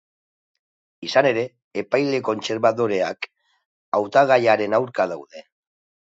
Izan ere, epaile kontsarbadoreak hautagaiaren aurka daude.